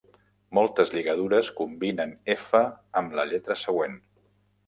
Moltes lligadures combinen f amb la lletra següent.